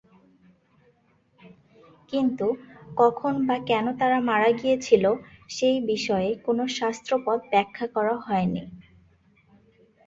কিন্তু, কখন বা কেন তারা মারা গিয়েছিল, সেই বিষয়ে কোনো শাস্ত্রপদ ব্যাখ্যা করা হয়নি।